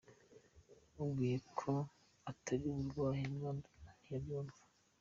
namubwiye ko atari uburwayi bwandura ntiyabyumva.